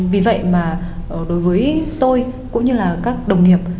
vì vậy mà đối với tôi cũng như là các đồng nghiệp